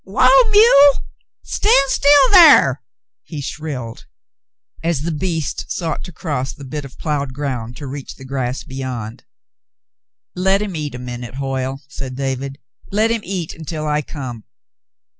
"Whoa, mule. Stand still thar," he shrilled, as the beast sought to cross the bit of ploughed ground to reach the grass beyond. "Let him eat a minute, Hoyle," said David. "Let him eat until I come.